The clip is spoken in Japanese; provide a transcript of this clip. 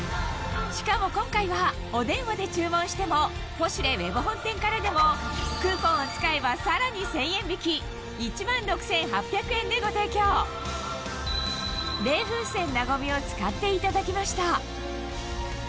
しかも今回はお電話で注文しても『ポシュレ』ＷＥＢ本店からでもクーポンを使えばさらに１０００円引きでご提供冷風扇「なごみ」を使っていただきました